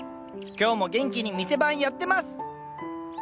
今日も元気に店番やってます！